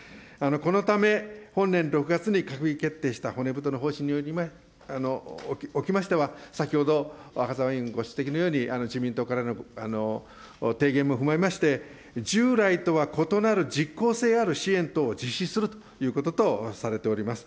このため、本年６月に閣議決定した骨太の方針におきましては、先ほど、赤澤委員ご指摘のように、自民党からの提言も踏まえまして、従来とは異なる実効性ある支援等を実施するということとされております。